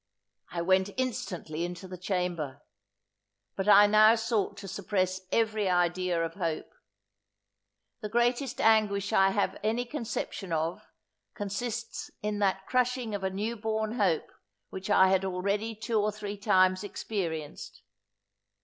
I went instantly into the chamber. But I now sought to suppress every idea of hope. The greatest anguish I have any conception of, consists in that crushing of a new born hope which I had already two or three times experienced.